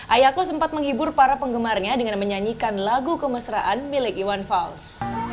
ayako sempat menghibur para penggemarnya dengan menyanyikan lagu kemesraan milik iwan fals